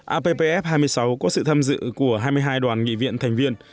appf hai mươi sáu có sự tham dự của hai mươi hai đoàn nghị viện thành viên